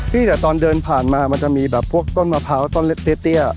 แต่ตอนเดินผ่านมามันจะมีแบบพวกต้นมะพร้าวต้นเตี้ย